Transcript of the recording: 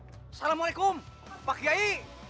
assalamualaikum pak kiai